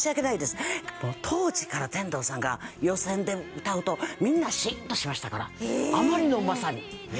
もう当時から天童さんが予選で歌うとみんなシーンとしましたからあまりのうまさに。